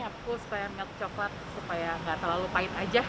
ya cool supaya milk coklat supaya nggak terlalu pahit aja